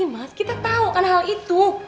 mas kita tahu kan hal itu